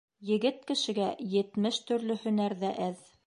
Егет кешегә етмеш төрлө һөнәр ҙә әҙ.